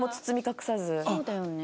そうだよね。